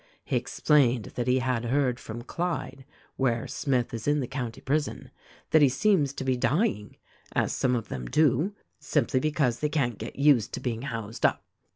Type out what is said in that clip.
He explained that he had heard from Clyde — where Smith is in the county prison — that he seems to be dying — as some of them do — simply because they can't get used to being housed up.